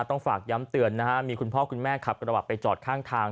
ต้องฝากย้ำเตือนนะฮะมีคุณพ่อคุณแม่ขับกระบะไปจอดข้างทาง